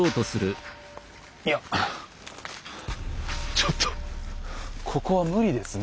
ちょっとここは無理ですね。